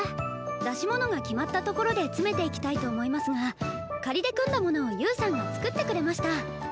出し物が決まったところで詰めていきたいと思いますが仮で組んだものを侑さんが作ってくれました。